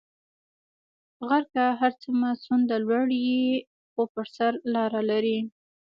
غر که هر څونده لوړ یی خو پر سر لاره لری